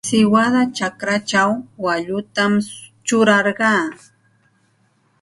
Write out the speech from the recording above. Siwada chakrachaw waallutam churarqaa.